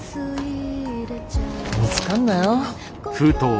見つかんなよ。